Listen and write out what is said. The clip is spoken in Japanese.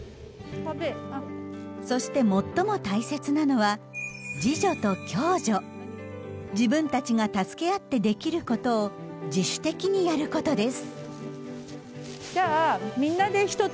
そして最も大切なのは自分たちが助け合ってできることを自主的にやることです。